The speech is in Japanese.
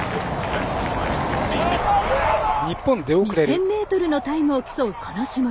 ２０００ｍのタイムを競うこの種目。